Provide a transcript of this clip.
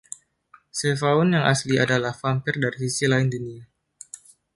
Shevaun yang asli adalah vampir dari sisi lain dunia.